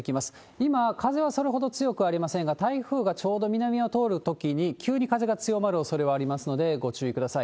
今、風はそれほど強くありませんが、台風がちょうど南を通るときに、急に風が強まるおそれはありますので、ご注意ください。